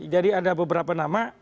jadi ada beberapa nama